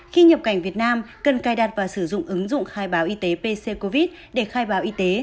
khi nhập cảnh việt nam cần cài đặt và sử dụng ứng dụng khai báo y tế pc covid để khai báo y tế